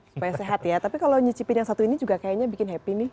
supaya sehat ya tapi kalau nyicipin yang satu ini juga kayaknya bikin happy nih